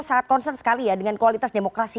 sangat concern sekali ya dengan kualitas demokrasi